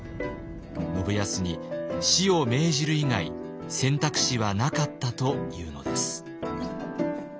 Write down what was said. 信康に死を命じる以外選択肢はなかったというのです。